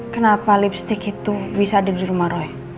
kenapa lipstick itu bisa di rumah roy